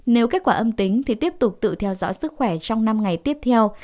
nếu kết quả âm tính thì tiếp tục tự theo dõi sức khỏe trong năm ngày tiếp theo